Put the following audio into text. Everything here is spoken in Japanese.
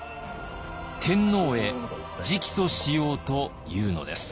天皇へ直訴しようというのです。